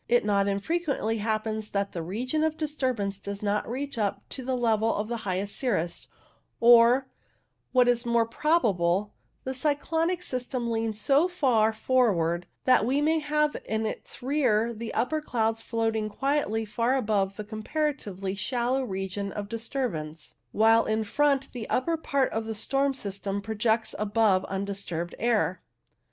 It not unfrequently happens that the region of disturbance does not reach up to the level of the highest cirrus, or, what is more probable, the cyclonic system leans so far forward that we may have in its rear the upper clouds floating quietly far above the comparatively shallow region of dis turbance, while in front the upper part of the storm system projects above undisturbed air.